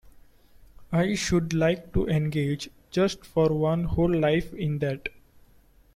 I should like to engage just for one whole life in that.